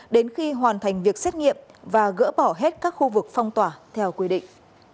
đến khi hoàn thành việc xét nghiệm và gỡ bỏ hết các khu vực phong tỏa theo quy định